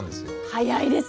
早いですね。